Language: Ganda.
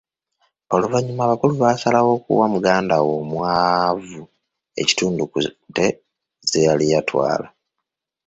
Oluvanyuma abakulu basalawo okuwa muganda we omwavu ekitundu ku ente ze yali yatwala.